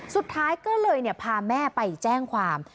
สุดท้ายก็เลยพาแม่ไปแจ้งความ